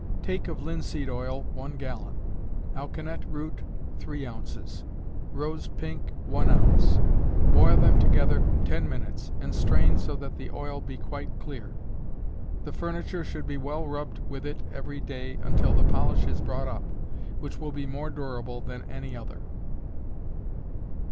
_ Take of linseed oil, one gallon; alkanet root, three ounces; rose pink, one ounce. Boil them together ten minutes, and strain so that the oil be quite clear. The furniture should be well rubbed with it every day until the polish is brought up, which will be more durable than any other.